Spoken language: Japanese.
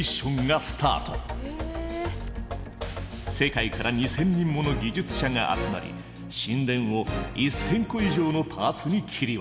世界から２，０００人もの技術者が集まり神殿を１，０００個以上のパーツに切り分けた。